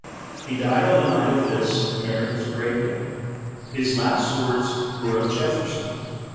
] He died on the night of this, A mer i ca's great day. His last words were of Jef fer son.